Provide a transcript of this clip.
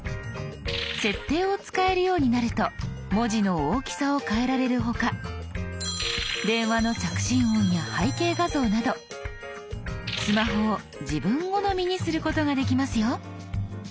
設定を使えるようになると文字の大きさを変えられる他電話の着信音や背景画像などスマホを自分好みにすることができますよ。